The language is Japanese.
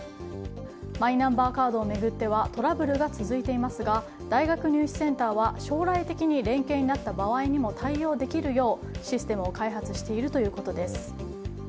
マイナンバーカードを巡ってはトラブルが続いていますが大学入試センターでは将来的な連携にも対応できるようシステムを開発しているということです。